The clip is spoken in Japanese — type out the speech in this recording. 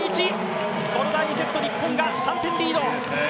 この第２セット、日本が３点リード。